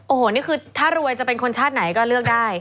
โอ้โหนี่คือถ้ารวยจะเป็นคนชาติไหนก็เลือกได้